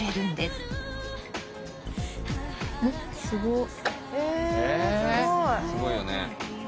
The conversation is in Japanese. すごいよね。